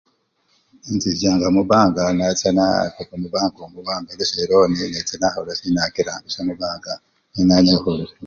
Inchichanga mubanga nacha naa! nekopa mubanka omwo bankopesha elonii necha nakholasi, nakirambisha mubanka nenanyalisha khumenya.